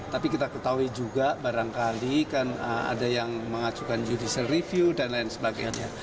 tapi kita ketahui juga barangkali kan ada yang mengajukan judicial review dan lain sebagainya